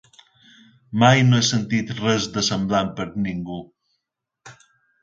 Mai no ha sentit res de semblant per ningú.